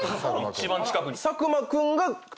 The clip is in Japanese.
一番近くに。